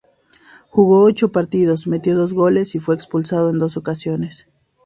Jugó ocho partidos, metió dos goles y fue expulsado en dos ocasiones.